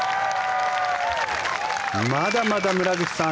まだまだ村口さん